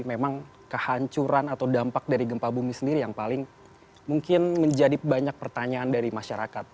memang kehancuran atau dampak dari gempa bumi sendiri yang paling mungkin menjadi banyak pertanyaan dari masyarakat